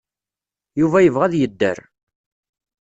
Yuba yebɣa ad yedder.